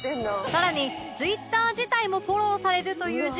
さらに Ｔｗｉｔｔｅｒ 自体もフォローされるという事件が勃発